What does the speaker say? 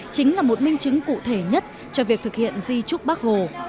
chính là một minh chứng cụ thể nhất cho việc thực hiện di trúc bác hồ